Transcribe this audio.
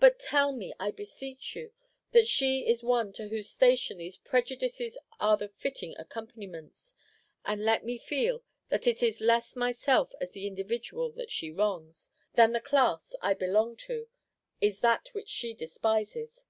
But tell me, I beseech you, that she is one to whose station these prejudices are the fitting accompaniments, and let me feel that it is less myself as the individual that she wrongs, than the class I belong to is that which she despises.